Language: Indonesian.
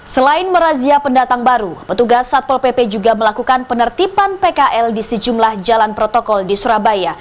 selain merazia pendatang baru petugas satpol pp juga melakukan penertiban pkl di sejumlah jalan protokol di surabaya